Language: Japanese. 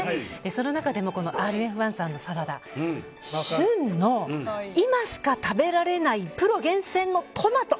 その中でもＲＦ１さんのサラダ旬の今しか食べられないプロ厳選のトマト